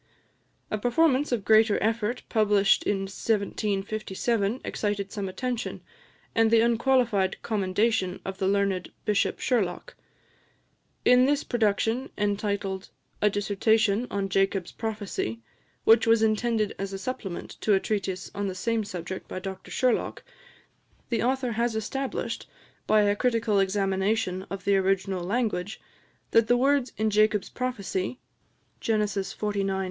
A performance of greater effort, published in 1757, excited some attention, and the unqualified commendation of the learned Bishop Sherlock. In this production, entitled "A Dissertation on Jacob's Prophecy," which was intended as a supplement to a treatise on the same subject by Dr Sherlock, the author has established, by a critical examination of the original language, that the words in Jacob's prophecy (Gen. xlix.